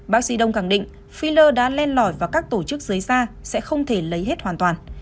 bác sĩ đông khẳng định filler đã len lỏi và các tổ chức dưới xa sẽ không thể lấy hết hoàn toàn